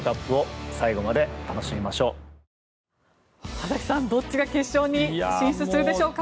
佐々木さん、どっちが決勝に進出するでしょうか。